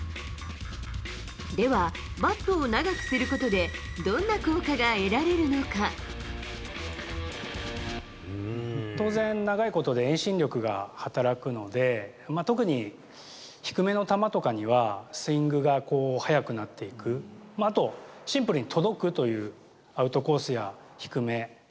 では、バットを長くすることで、当然、長いことで遠心力が働くので、特に低めの球とかには、スイングが速くなっていく、あとシンプルに届くという、アウトコースや低め。